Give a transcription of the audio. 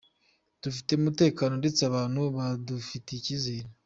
Dufite umutekano ndetse abantu badufitiye icyizere.